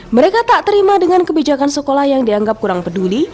mereka tak terima dengan kebijakan sekolah yang dianggap kurang peduli